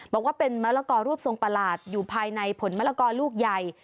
บอกว่าเป็นมะละกอรูปทรงประหลาดอยู่ภายในผลมะละกอลูกใหญ่